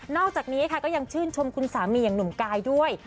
นอกจากนี้ก็ชื่นชมคุณสามียังหนุ่มกายด้วย